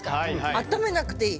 温めなくていい。